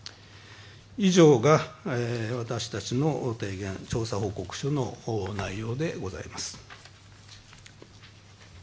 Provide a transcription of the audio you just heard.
以上が私たちの提言調査報告書の内容でございます。